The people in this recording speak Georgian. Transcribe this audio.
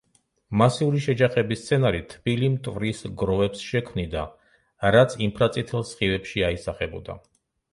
მასიური შეჯახების სცენარი თბილი მტვრის გროვებს შექმნიდა, რაც ინფრაწითელ სხივებში აისახებოდა.